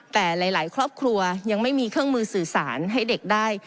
แต่หลายครอบครัวยังไม่มีเครื่องมือสื่อสารให้เด็กได้